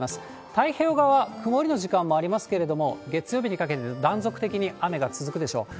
太平洋側は曇りの時間もありますけれども、月曜日にかけて断続的に雨が続くでしょう。